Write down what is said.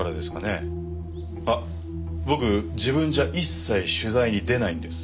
あっ僕自分じゃ一切取材に出ないんです。